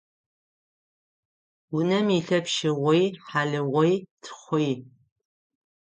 Унэм илъэп щыгъуи, хьалыгъуи, тхъуи.